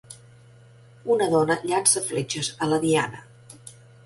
Una dona llança fletxes a la diana.